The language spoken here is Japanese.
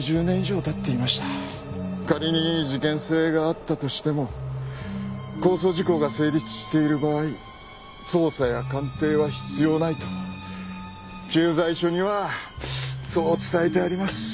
仮に事件性があったとしても公訴時効が成立している場合捜査や鑑定は必要ないと駐在所にはそう伝えてあります。